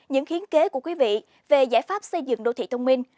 những hiến kế của quý vị về giải pháp xây dựng đô thị thông minh